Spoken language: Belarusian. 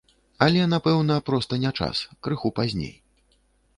Але, напэўна, проста не час, крыху пазней.